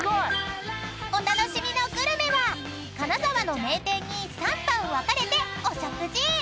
［お楽しみのグルメは金沢の名店に３班分かれてお食事！］